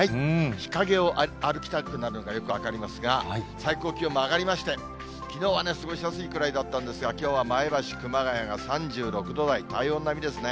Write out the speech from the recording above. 日陰を歩きたくなるのがよく分かりますが、最高気温も上がりまして、きのうは過ごしやすいくらいだったんですが、きょうは前橋、熊谷が３６度台、体温並みですね。